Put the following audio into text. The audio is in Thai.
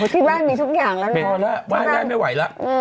คิดว่ามีทุกอย่างแล้วนะไม่ไหวแล้ว